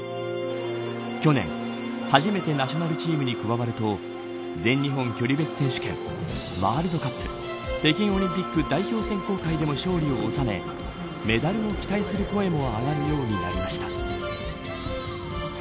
去年、初めてナショナルチームに加わると全日本距離別選手権ワールドカップ北京オリンピック代表選考会でも勝利を収めメダルを期待する声も上がるようになりました。